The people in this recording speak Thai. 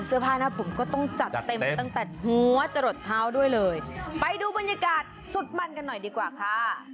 เสื้อผ้าหน้าผมก็ต้องจัดเต็มตั้งแต่หัวจะหลดเท้าด้วยเลยไปดูบรรยากาศสุดมันกันหน่อยดีกว่าค่ะ